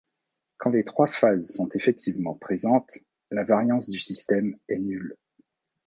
Quand les trois phases sont effectivement présentes la variance du système est nulle.